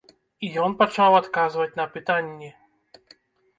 І ён пачаў адказваць на пытанні.